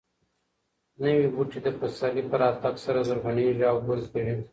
نوي بوټي د پسرلي په راتګ سره زرغونېږي او ګل کوي.